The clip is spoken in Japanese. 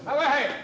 はい！